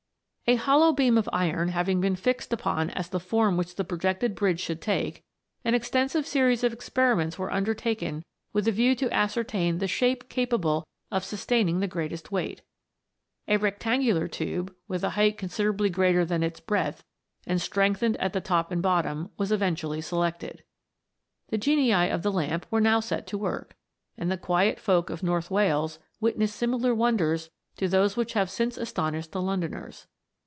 A hollow beam of iron having been fixed upon as the form which the projected bridge should take, an extensive series of experiments were undertaken with a view to ascertain the shape capable of sustaining the greatest weight. A rectangular tube, with a height considerably greater than its breadth, and strengthened at the top and bottom, was eventually selected. The genii of the lamp were now set to work, and the quiet folk of North Wales witnessed similar wonders to those which have since asto nished the Londoners.